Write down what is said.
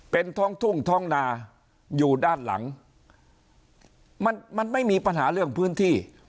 เป็นท้องทุ่งท้องนาอยู่ด้านหลังมันมันไม่มีปัญหาเรื่องพื้นที่